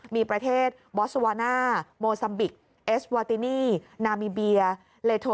มีประเทศบอสวาน่าโมซัมบิกเอสวาตินี่นามีเบียเลโท